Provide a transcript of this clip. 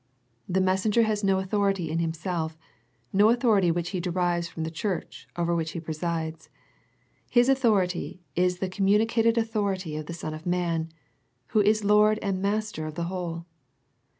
The mes senger has no authority in himself, no authority which he derives from the Church over which he presides. His authority is the communi 1 8 A First Century Message cated authority of the Son of man, Who is Lord and Master of the whole.